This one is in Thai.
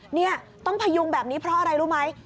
นี่ต้องพยุงแบบนี้เพราะอะไรรู้ไหม